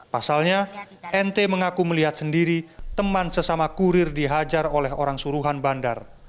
pasalnya nt mengaku melihat sendiri teman sesama kurir dihajar oleh orang suruhan bandar